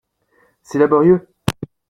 C’est laborieux